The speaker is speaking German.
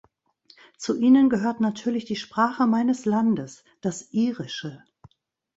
Zu ihnen gehört natürlich die Sprache meines Landes, das Irische.